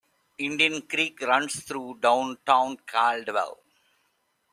Indian Creek runs through downtown Caldwell.